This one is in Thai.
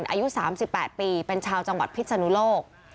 อายุสามสิบแปดปีเป็นชาวจังหวัดพิษนุโลก